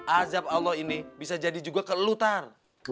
azab allah ini bisa jadi juga ke lutar